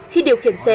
khi điều khiển xe